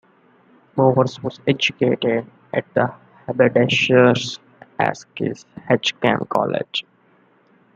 Bowes was educated at Haberdashers' Aske's Hatcham College.